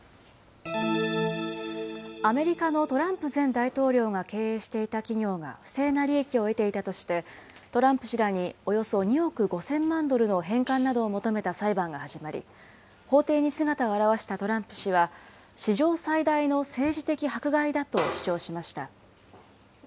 アメリカのトランプ前大統領が経営していた企業が不正な利益を得ていたとして、トランプ氏らにおよそ２億５０００万ドルの返還などを求めた裁判が始まり、法廷に姿を現したトランプ氏は、史上最大の政治的迫害だと主張しました。